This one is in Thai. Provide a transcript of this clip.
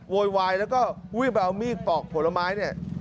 โวยวายแล้วก็วิ่งไปเอามีดปอกผลไม้เนี่ย